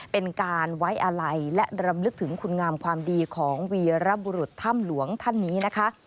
เป็นการไว้อาลัยและรำลึกถึงคุณงามความดีของวีรบุรุษถ้ำหลวงท่านนี้นะคะ